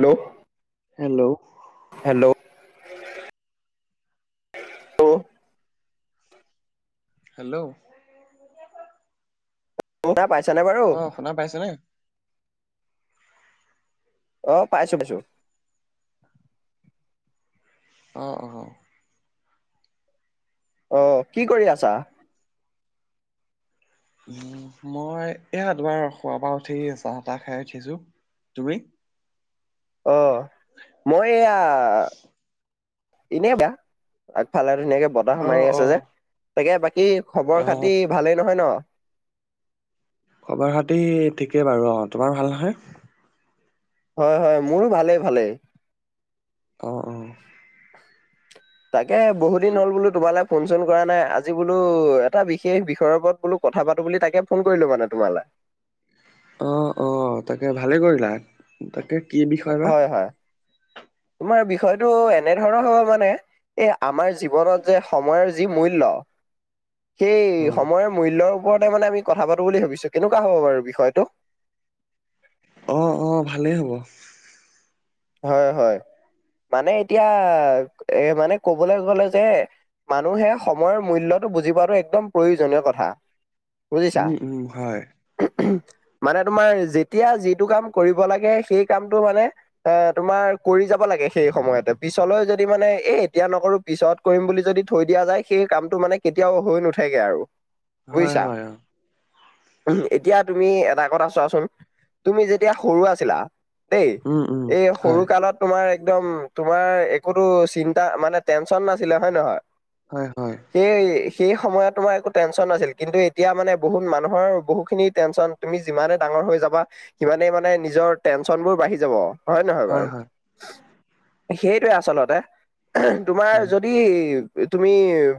Hello hello hello hello ম ত পাইছ আহ শুনা পাইছে নে আহ পাইছো পাইছো অঁ অঁ আহ কি কৰি আছা উ মই এয়া দুবাৰ খোৱাাবা উঠি চাহ তাহ খাই উঠিছো তুমি আহ মই এয়া এনে বয়াফালে আৰুকে বতাহ অ মাৰি অ আছে যে তাকে বাকী খবৰ অ খাতি ভালেই নহয় ন খবৰ খতি ঠিকেই বাৰু অ তোমাৰ ভাল নহয় হয় হয় মোৰো ভালেই ভালেই অ অ তাকে বহু দিন হল বোলো তোমালে ফোন চোন কৰা নাই আজি বোলো এটা বিশেষ বিষয়ৰ ওপৰত বোলো কথা পাতো বুলি তাকে ফোন কৰিলো মানে তোমালৈ [inaudible] অ অ তাকে ভালে কৰিলা তাকে কি বিষয় বা হয় হয় তোমাৰ বিষয়টো এনেধৰণৰ হ'ব মানে এ আমাৰ জীৱনত যে সময়ৰ যি মূল্য। সেই অ সময়ৰ মূল্যৰ ওপৰত মানে আমি কথা পাতো বুলি ভাবিছো কেনেকুৱা হ'ব বাৰু বিষয়টো? অ', অ', ভালেই হ'ব। হয়, হয় মানে এতিয়া এ মানে ক'বলৈ গ'লে যে মানুহে সময়ৰ মূল্যটো বুজি পোৱাটো একদম প্ৰয়োজনীয় কথা। বুজিছা। উম, উম হয়। মানে তোমাৰ যেতিয়া যিটো কাম কৰিব লাগে সেই কামটো মানে এ তোমাৰ কৰি যাব লাগে সেই সময়তে। পিছলৈ যদি মানে এ এতিয়া নকৰো পিছত কৰিম বুলি যদি থৈ দিয়া যায় সেই কামটো মানে কেতিয়াও হৈ নুঠেগৈ আৰু। হয়, বুজিছা। হয়। উম, এতিয়া তুমি এটা কথা চোৱাচোন তুমি যেতিয়া সৰু আছিলা! দেই উম, উম। এই সৰু হয় কালত তোমাৰ একদম তোমাৰ একোতো চিন্তা মানে টেনচন নাছিলে হয় নে নহয়? হয় হয় সেই সেই সময়ত তোমাৰ একো টেনশ্যন নাছিল। কিন্তু এতিয়া মানে বহু মানুৰ বহুখিনি টেনচন তুমি যিমানে ডাঙৰ হৈ যাবা সিমানেই মানে নিজৰ টেনচনবোৰ বাঢ়ি যাব। হয় নহয় বাৰু? সেইটোৱে আচলতে। তোমাৰ উম যদি তুমি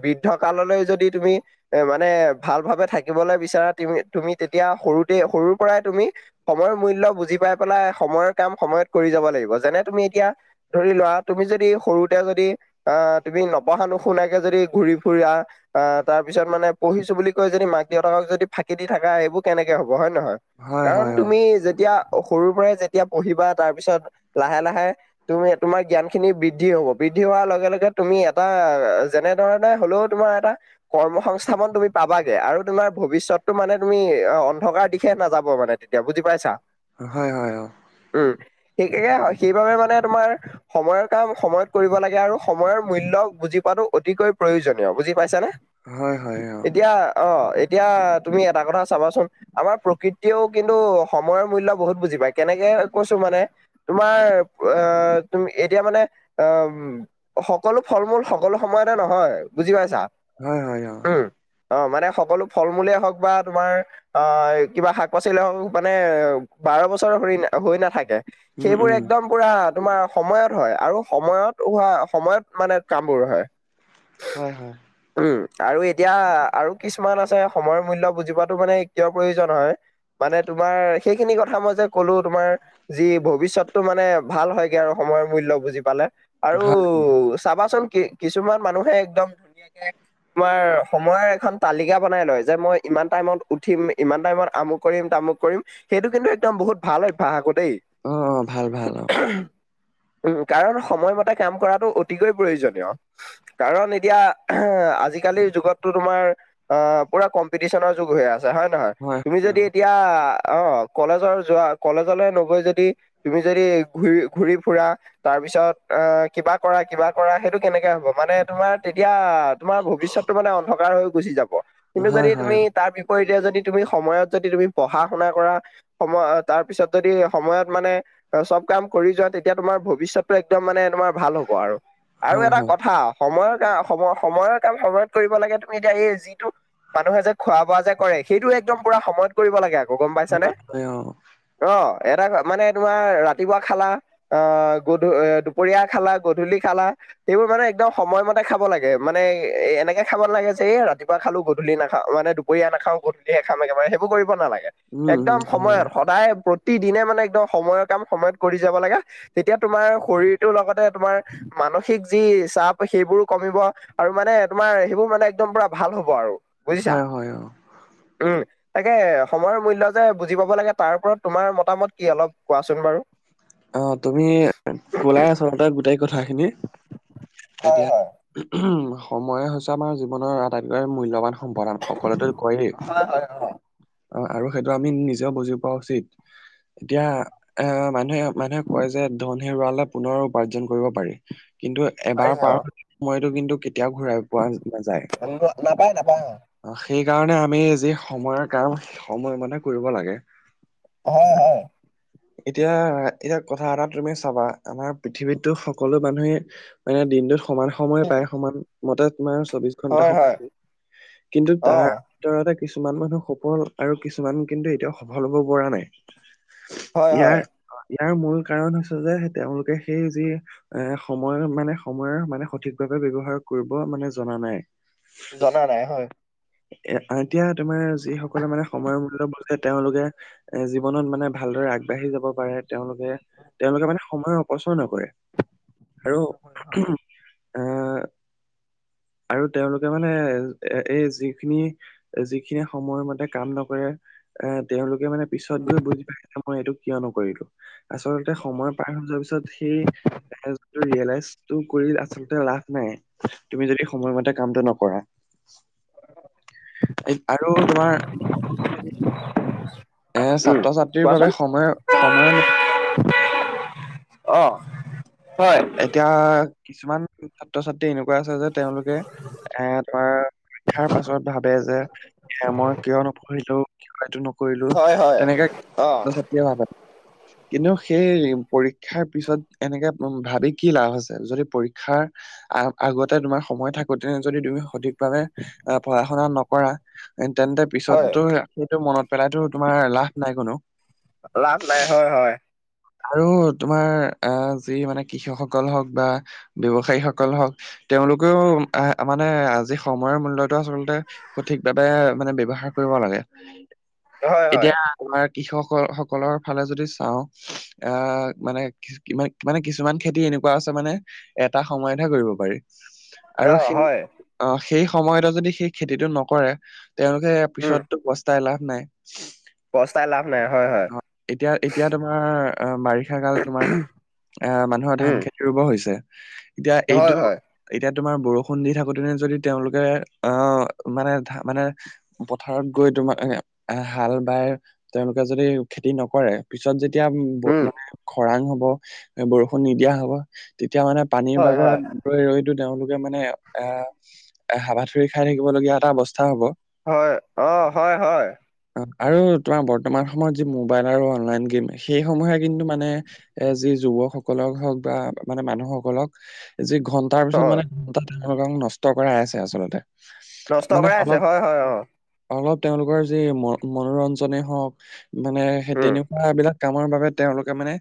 বৃদ্ধ কাললৈ যদি তুমি এ মানে ভাল ভাবে থাকিবলৈ বিচাৰা। তুমি তেতিয়া সৰুতে সৰুৰ পৰাই তুমি সময়ৰ বুজি পাই পেলাই সময়ৰ কাম সময়ত যাব লাগিব যেনে তুমি এতিয়া ধৰি লোৱা তুমি যদি সৰুতে যদি অ' তুমি নপঢ়া শুনাকে যদি ঘুৰি ফুৰা। তাৰ পিছত মানে পঢ়িছো বুলি কৈ যদি মাক দেউতাকক যদি ফাঁকি দি থকা সেইবোৰ কেনেকে হ'ব হয়নে নহয়। হয় কাৰণ হয় অ তুমি যেতিয়া সৰুৰ পৰাই যেতিয়া পঢ়িবা তাৰপিছত লাহে লাহে তুমি তোমাৰ জ্ঞানখিনি বৃদ্ধি হ'ব। বৃদ্ধি হোৱাৰ লগে লগে তুমি এটা যেনেধৰণে হ'লেও তোমাৰ এটা কৰ্ম সংস্থাপন তুমি পাবাগে আৰু তোমাৰ ভৱিষ্যতটো মানে তুমি অ' অন্ধকাৰ দিশে নাযাব মানে তেতিয়া বুজি পাইছা? হয়, হয়। সেয়া হয়। সেইবাবে মানে তোমাৰ সময়ৰ কাম সময়ত কৰিব লাগে আৰু সময়ৰ মূল্য বুজি পোৱাটো অতিকৈ প্ৰয়োজনীয় বুজি পাইছা নে? হয়, হয় অ'। এতিয়া তুমি এটা কথা চাবাচোন। আমাৰ প্ৰকৃতিয়েও কিন্তু সময়ৰ মূল্য বহুত বুজি পায়। কেনেকে এনেকে কৈছো মানে তোমাৰ অ' তুমি এতিয়া মানে অ' সকলো ফল মূল সকলো সময়তে নহয় বুজি পাইছা। হয়, হয় অ'। উম। অ', মানে সকলো ফল মূলে হওঁক বা তোমাৰ অ' কিবা শাক পাচলেই হওঁক মানে বাৰ বছৰ হৈ নাথাকে। উম সেইবোৰ উম একদম পুৰা তোমাৰ সময়ত হয় আৰু সময়ত হোৱা সময়ত মানে কামবোৰ হয়। হয়, হয়। উম, আৰু এতিয়া আৰু কিছুমান আছে সময়ৰ মূল্য বুজি পোৱাটো মানে কিয় প্ৰয়োজন হয়। মানে তোমাৰ সেইখিনি কথা মই যে ক'লো তোমাৰ যি ভৱিষ্য পিছতটো মানে ভাল হয়গে আৰু সময়ৰ মূল্যটো বুজি পালে। আৰু হয় চাবাচোন কি কিছুমান মানুহে একদম ধুনীয়াকে তোমাৰ সময়ৰ এখন তালিকা বনাই লয় যে মই ইমান টাইমত উঠিম ইমান টাইমত আমুক কৰিম তা কৰিম সেইটো কিন্তু একদম বহুত ভাল অভ্যাস আকৌ দেই। অ', অ', ভাল ভাল আহ। উম, কাৰণ সময়মতে কাম কৰাটো অতিকৈ প্ৰয়োজনীয়। কাৰণ এতিয়া আজিকালিৰ যুগতো তুমাৰ অ, পুৰা কম্পিটিচনৰ যুগ হৈ আছে। হয়, নহয়, তুমি যদি এতিয়া অ, কলেজৰ যোৱা কলেজলে নগৈ যদি তুমি যদি ঘূৰি, ঘূৰি ফুৰা তাৰ পিছত অ, কিবা কৰা কিবা কৰা, সেইটো কেনেকে হ'ব। মানে তোমাৰ তেতিয়া, তোমাৰ ভৱিষ্যতটো মানে অন্ধকাৰ হৈ গুচি যাব। অ কিন্তু হয় যদি হয় তুমি অ তাৰ বিপৰীতে তেতিয়া যদি তুমি সময়ত যদি তুমি পঢ়া, শুনা কৰা সময় তাৰ পিছত যদি সময়ত মানে অ, চব কাম কৰি যোৱা, তেতিয়া তোমাৰ ভৱিষ্যতটো একদম মানে তোমাৰ ভাল হ'ব আৰু। আৰু হয় এটা হয় কথা সময়ৰ ক, সময়, সময়ৰ কাম সময়ত কৰিব লাগে, তুমি এতিয়া এই যিটো মানুহে যে খোৱা, বোৱা যে কৰে, সেইটো একদম পুৰা সময়ত কৰিব লাগে আৰু। গম হয় পাইছানে হয় অ অ, এটা মানে তোমাৰ ৰাতিপুৱা খালা অ, [unintelligible] দুপৰীয়া খালা গধূলি খালা সেইবোৰ মানে একদম সময়মতে খাব লাগে, মানে এনেকে খাব লাগে, যে ৰাতিপুৱা খালো গধূলি নাখাওঁ মানে দুপৰীয়া [unintelligible] খাও গধূলিহে খাম। একেবাৰে সেইবোৰ কৰিব নালাগে, উম একদম উম হয় সময়ত সদায় প্ৰতিদিনে মানে একদম সময়ৰ কাম সময়ত কৰি যাব লাগে। তেতিয়া তোমাৰ শৰীৰটোৰ লগতে তোমাৰ মানসিক যি চাপ সেইবোৰো কমিব আৰু মানে তোমাৰ সেইবোৰ মানে একদম পুৰা ভাল হ'ব আৰু। বুজিছা, হয় হয় অ উম। তাকে সময়ৰ মূল্য যে বুজি পাব লাগে, তাৰ ওপৰত তোমাৰ মতামত কি অলপ কোৱাচোন বাৰু। অ, তুমি কলাই আচলতে গোটেই। কথাখিনি হয়, এতিয়া হয়, উ, সময়ে হৈছে আমাৰ জীৱনৰ আটাইতকৈ মূল্যবান সম্পাদান সকলোতো কয়েই হয়, হয়, অ'। অ, আৰু সেইটো আমি নিজেও বুজি পোৱা উচিত এতিয়া এ, মানুহে মানুহে কয় যে, ধন, হেৰুৱালে পুনৰ উপাৰ্জন কৰিব পাৰি। কিন্তু পাৰি এবাৰ পাৰ অ', মই কিন্তু কেতিয়াও ঘূৰাই পোৱা নাযায়। ন- নাপায়, নাপায় অ', সেইকাৰণে আমি যি সময়ৰ কাম সময় মানে কৰিব লাগে। হয়, হয়। এতিয়া এতিয়া কথা এটা তুমি চাবা আমাৰ পৃথিৱীততো সকলো মানুহে মানে দিনটোত সমান সময় উম, পায়, সমান মতে তোমাৰ চৌবিশ ঘন্টা হয়, সময় হয়, কিন্তু তাৰ অ', ভিততে কিছুমান মানুহ সফল আৰু কিছুমান কিন্তু এতিয়া সফল হ'ব পৰা নাই। হয়, ইয়াৰ হয়। ইয়াৰ মূল কাৰণ হৈছে যে, তেওঁলোকে সেই যি এ, সময় মানে সময়ৰ মানে সঠিকভাৱে ব্যৱহাৰ কৰিব মানে জনা নাই। জনা নাই হয়। এ, এতিয়া তোমাৰ যিসকলে মানে সময়ৰ মূল্য বছে তেওঁলোকে এ, জীৱনত মানে ভাল। আগবাঢ়ি যাব পাৰে। তেওঁলোকে, তেওঁলোকে মানে সময়ৰ অপচয় নকৰে আৰু। আহ [inaudible] আৰু তেওঁলোকে মানে এই যিখিনি, যিখিনি সময় মতে কাম নকৰে। এ, তেওঁলোকে মানে পিছত গৈ বুজি পাই যে মই এইটো কিয় নকৰিলো। আচল্ততে সময় পাৰ হৈ যোৱা পিছত সেই ৰিয়েলাইজ টো কৰি আচল্ত লাভ নাই। তুমি যদি সময়মতে কামটো নকৰা। আৰু তোমাৰ? [inaudible] এ, উম, ছাত্ৰ, ছাত্ৰীৰ বাবে কোৱাচোন সময়, সময়ৰ আহ। এতিয়া কিছুমান ছাত্ৰ, ছাত্ৰী এনেকুৱা আছে যে তেওঁলোকে এ, তোমাৰ শিক্ষাৰ পাছত ভাবে যে, এ, মই কিয় নপঢ়িলো কিয় এইটো ন। কৰিলো হয়, হয়। তেনেকে অ', ছাত্ৰ, ছাত্ৰীয়ে ভাব। কিন্তু সেই পৰীক্ষাৰ পিছত এনেকে উ ভাবি কি লাভ আছে, যদি পৰীক্ষাৰ আ, আগতে তোমাৰ সময় থাকোতে যদি তুমি সঠিকভাৱাবে অ, পঢ়া, শুনা নকৰা। তেন্তে হয়, পিছতো সেইটো মনত পেলাইতো তোমাৰ লাভ নাই কোনো। লাভ নাই, হয়, হয়। আৰু তোমাৰ আহ যি মানে কৃষকসকল হওক বা ব্যৱসায়ীসকল হওক। তেওঁলোকেও, আহ। মানে আজি সময়ৰ মূল্য়তটো আচল্ততে সঠিকভাৱে মানে ব্যৱহাৰ কৰিব লাগে। হয়, হয়, এতিয়া আমাৰ কৃষক সকলৰ ফালে যদি চাওঁ। আহ মানে কিমান মানে কিছুমান খেতি এনেকুৱা আছে মানে এটা সময়তহে কৰিব পাৰি। আৰু অ', সেই, হয়, সেই সময়তে যদি সেই খেতিটো নকৰে। তেওঁলোকে পিছত বস্তাই লাভ নাই। কস্তাই লাভ নাই, হয়, হয়। এতিয়া, এতিয়া, তোমাৰ অ, বাৰিষা কাল তোমাৰ আহ মানুহৰ ধান, উম, খেতি ৰুব। এতিয়া, এইটো, হয়, হয়, এতিয়া তোমাৰ বৰষুণ দি থাকোতেনে যদি তেওঁলোকে অ, মানে, মানে পথাৰত গৈ তোমাৰ হাল বাই তেওঁলোকে যদি খেতি নকৰে পিছত যেতিয়া উম, মানে খৰাং হ'ব বৰষুণ নিদিয়া হ'ব। এতিয়া মানে পানীৰ হয়, বাবে হয়, ৰৈ, ৰৈ কিন্তু তেওঁলোকে মানে এ, এ, হাবাথৰি খাই থাকিবলগীয়া এটা অৱস্থা হ'ব। হয়, অ, হয়, হয়। আৰু তোমাৰ বৰ্তমান সময়ত যি মোবাইল আৰু অনলাইন গেম, সেই, সমূয়ে কিন্তু মানে এ, যি, যুৱকসকলক হওক বা মানুহসকলক যি ঘন্টাৰ পিছত হয়। মানে ঘন্টা তেওঁলোকক নষ্ট কৰাই আছে আচলতে নষ্ট মানে কৰাই আছে, অলপ হয়, হয়, অ'। অলপ তেওঁলোকৰ যি মন মনোৰঞ্জনে হওক মানে সেই উম তেনেকুৱ বিলাক কামৰ বাবে তেওঁলোকে মানে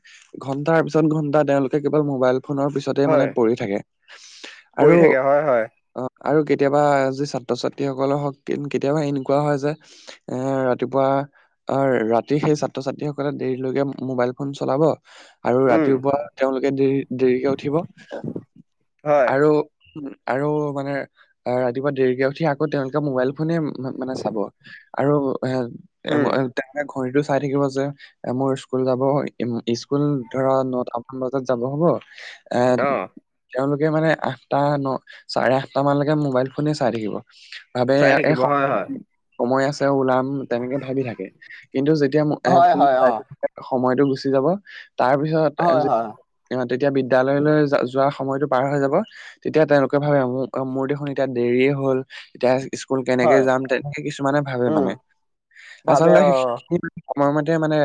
ঘন্টাৰ পিছত, ঘন্টা তেওঁলোকে কেৱল মোবাইল ফোনৰ পিছতে মানে হয় পৰি থাকে আৰু পৰি থাকে হয় হয় অ'। আৰু কেতিয়াবা যি ছাত্ৰ, ছাত্ৰীসকলৰ হওক, কেতিয়াবা এনেকুৱা হয়, যে, এ, ৰাতিপুৱা অ, ৰাতি সেই ছাত্ৰ, ছাত্ৰী সকলে দেৰিলৈকে মোবাইল ফোন চলাব। আৰু উম ৰাতিপুৱা তেওঁলোকে দেৰি, দেৰিকে উঠিব। হয় আৰু উ আৰু মানে ৰাতিপুৱা দেৰিকে উঠি আকৌ তেওঁলোকে মোবাইল ফোনে মানে চাব আৰু। [inaudible] উম ঘড়ীতটো চাই থাকিব যে, এ, মোৰ স্কুল যাব, স্কুল ধৰা নটামান বজাত যাব হ'ব। হয়। এ, অ তেওঁলোকে মানে আঠটা, ন, চাৰে আঠটা মানলৈকে মোবাইল ফোনে চাই থাকিব। ভাবে চাই এ, থাকিব হয় হয় সময় আছে, ওলাম তেনেকে ভাবি থাকে। কিন্তু যেতিয়া এ, হয় ফুল হয় চাই, অ সময়তটো গুচি যাব। তাৰ পিছত হয় হয় তেতিয়া বিদ্যায়ালয়লৈ য, যোৱা সময়তটো পাৰ হৈ যাব। তেতিয়া, তেওঁলোকে ভাবে মোৰ মোৰ দেখোন এতিয়া দেৰিয়ে হ'ল এতিয়া স্কুল কেনেকে হয় যাম তেনেকে কিছুমানে ভাবে উম মানে ভাবে আচলতে। অ সেইখিনি সময়মতে মানে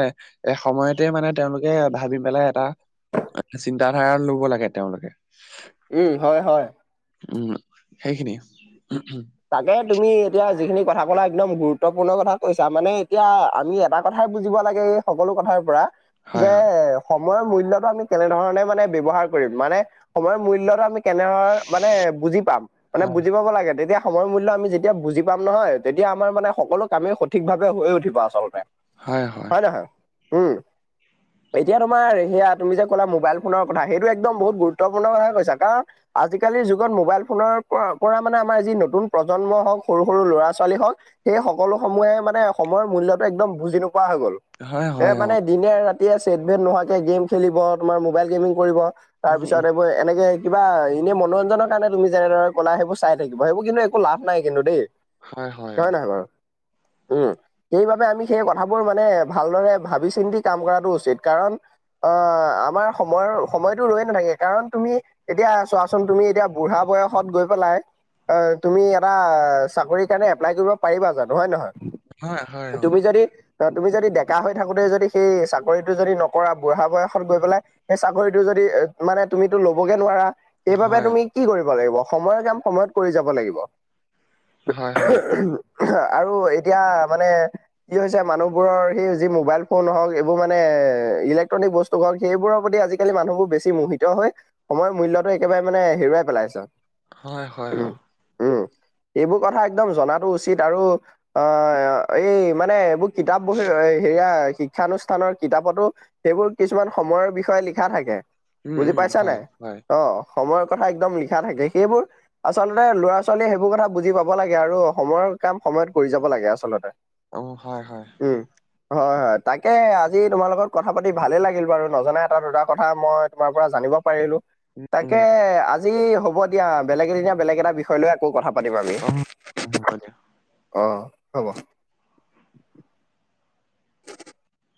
এ, সময়তে মানে তেওঁলোকে ভাবি পেলাই এটা। চিন্ত ধাৰা লব লাগে তেওঁলোকে। এ, হয়, হয়। উম, সেইখিনিয়ে। তাকে তুমি এতিয়া যিখিনি কথা পলা একদম গুৰুত্বপূৰ্ণ কথা কৈছা মানে এতিয়া আমি এটা কথাই বুজিব লাগে। এই সকলো কথাৰ পৰা হয় যে সময়ৰ মূল্যতটো আমি কেনেধৰণে মানে ব্যৱহাৰ কৰিম মানে সময়ৰ মূল্য়তটো আমি কেনে ধৰ মানে বুজি পাম মানে হয় বুজি পাব লাগে তেতিয়া সময় মূল্য আমি যেতিয়া বুজি পাম নহয়। তেতিয়া আমাৰ মানে সকলো কামেই সঠিকভাৱে হৈয় উঠিবা আচলতে। হয় হয়। উম। এতিয়া তোমাৰ সেয়া তুমি যে ক'লা মোবাইল ফোনৰ কথা সেইটো একদম বহুত গুৰুত্বপূৰ্ণ কথাই কৈছা। কাৰণ আজিকালিৰ যুগত মোবাইল ফোনৰ প-পৰা মানে আমাৰ যি নতু নতুন প্ৰজন্ম হওক, সৰু সৰু ল'ৰা ছোৱালী হওঁক, সেই সকলো সমূহে মানে সময়ৰ মূল্যতটো একদম বুজি ন পোৱা হৈ গল। হয় এ হয় হয় অ মানে দিনে ৰাতি এতিয়া চছেটবেট নোহোৱাকে গেম খেলিব। তোমাৰ মোবাইল গেমিং কৰিব। তাৰ উম, পিছত উম। এইবোৰ এনেকে কিবা এনে মনোৰঞ্জনৰ কাৰণে তুমি যেনেদৰে কলা সেইবোৰ চাই থাকিব। সেইবোৰ কিন্তু একো লাভ নাই কিন্তু দেই। হয় হয়। নহয় বাৰু? উম। সেইবাবে আমি সেই কথাবোৰ মানে ভালদৰে ভাবি চিন্তি কাম কৰাটো উচিত। কাৰণ আহ আমাৰ সময়ৰ সময়তটো ৰৈ নাথাকে, কাৰণ তুমি এতিয়া চোৱাচোন তুমি এতিয়া বুঢ়া বয়সত গৈ পেলাই অ তুমি এটা চাকৰি কাৰণে এপ্লাই কৰিব পাৰিবা জানো নহয় নহয়? হয় হয় হয়। তুমি যদি তুমি যদি ডেকা হৈ থাকোতে যদি সেই চাকৰিটো যদি নকৰা। বুঢ়া বয়সত গৈ পেলাই সেই চাকৰিটো যদি মানে তুমিতো ল'বগে নোৱাৰা। সেইবাবে তুমি কি কৰিব লাগিব। সময়ৰ কাম সময়ত কৰি যাব লাগিব। [unintelligible] আৰু এতিয়া মানে কি হৈছে মানুহবোৰৰ সেই যি মোবাইল ফোন হওক এইবোৰ মানে ইলেক্ট্ৰনিক বস্তু হক সেইবোৰৰ প্ৰতি আজিকালি মানুহবোৰ বেছি মোহিত হয়। সময় মূল্য একেবাৰে মানে হেৰুৱাই পেলাইছ। হয় হয় অ। উম। এইবোৰ কথা একদম জাতো উচিত আৰু অ এই মানে এইবোৰ কিতাপ বহি সেয়া শিক্ষানুষ্ঠানৰ কিতাপতো, সেইবোৰ কিছুমান সময়ৰ বিষয়ে লিখা থাকে। বুজি পাইছা নাই অ সময়ৰ কথা একদম লিখা থাকে। সেইবোৰ আচলতে আচলতে ল'ৰা ছোৱালীয়ে সেইবোৰ কথা বুজি পাব লাগে। আৰু সময়ৰ কাম সময়ত কৰি যাব লাগে আচলতে। অ হয় হয়। উম হয় হয় তাকে আজি তোমাৰ লগত কথা পাতি ভালে লাগিল বাৰু নজনা এটা দুটা কথা মই তোমাৰ পৰা জানি তাকে আজি হ'ব দিয়া বেলেগ এদিনীয়া বেলেগ এটা বিষয় লৈ আকৌ কথা পাতিম আমি। [unintelligible] অ হ'ব। [inaudible]